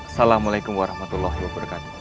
assalamualaikum warahmatullahi wabarakatuh